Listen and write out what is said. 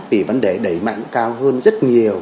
vì vấn đề đẩy mạnh cao hơn rất nhiều